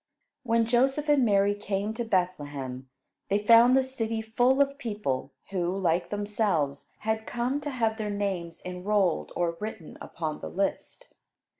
When Joseph and Mary came to Bethlehem they found the city full of people who, like themselves, had come to have their names enrolled or written upon the list.